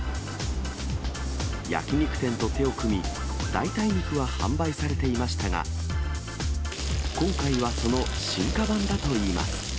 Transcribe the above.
焼き肉店と手を組み、代替肉は販売されていましたが、今回はその進化版だといいます。